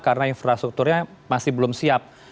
karena infrastrukturnya masih belum siap